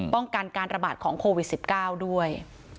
ป้องกันการระบาดของโควิด๑๙ด้วย